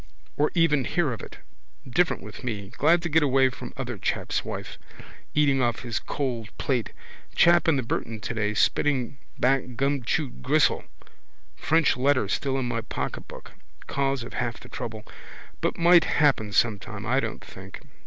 Or even hear of it. Different with me. Glad to get away from other chap's wife. Eating off his cold plate. Chap in the Burton today spitting back gumchewed gristle. French letter still in my pocketbook. Cause of half the trouble. But might happen sometime, I don't think.